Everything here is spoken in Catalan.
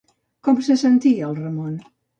Com se sentia el Ramon?